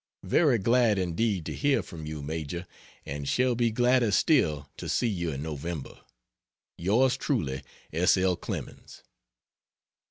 Very glad, indeed, to hear from you Major, and shall be gladder still to see you in November. Truly yours, S. L. CLEMENS.